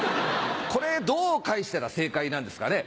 これどう返したら正解なんですかね？